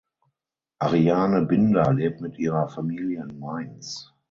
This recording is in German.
Ariane Binder lebt mit ihrer Familie in Mainz.